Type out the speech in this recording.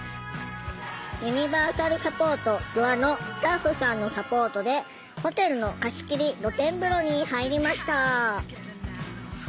「ユニバーサルサポートすわ」のスタッフさんのサポートでホテルの貸し切り露天風呂に入りました。